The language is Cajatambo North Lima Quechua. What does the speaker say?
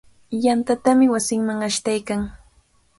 Yantatami wasinman ashtaykan.